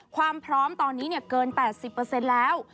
ความพร้อมตอนนี้เกิน๘๐แล้ว